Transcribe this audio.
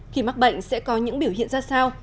khi mắc bệnh sẽ có những biểu hiện ra sao